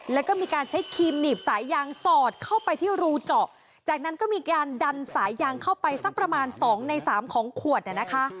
แล้วก็มีการใช้ครีมหนีบสายยางสอดเข้าไปที่รูเจาะจากนั้นก็มีการดันสายยางเข้าไปสักประมาณสองในสามของขวดเนี่ยนะคะ